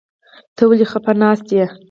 ته ولې خپه ناسته يې ؟